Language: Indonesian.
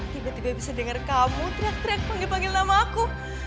tiba tiba bisa denger kamu teriak teriak panggil panggil nama aku